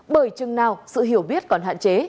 bởi chừng nào sự hiểu biết còn hạn chế